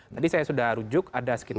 tadi saya sudah rujuk ada sekitar dua ratus tiga